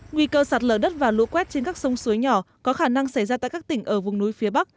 nguy cơ sạt lở đất và lũ quét trên các sông suối nhỏ có khả năng xảy ra tại các tỉnh ở vùng núi phía bắc